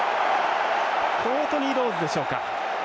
コートニー・ローズでしょうか。